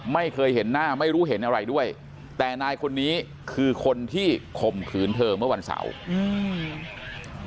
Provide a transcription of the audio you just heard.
ไม่เคยเห็นหน้าไม่รู้เห็นอะไรด้วยแต่นายคนนี้คือคนที่ข่มขืนเธอเมื่อวันเสาร์อืม